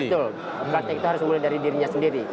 tapi dia sendiri memulai praktek itu harus mulai dari dirinya sendiri